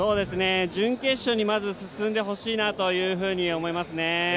準決勝にまず進んでほしいなと思いますね。